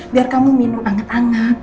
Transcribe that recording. biar kamu minum hangat anget